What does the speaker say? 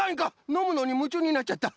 のむのにむちゅうになっちゃった。